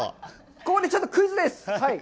ここでちょっとクイズです！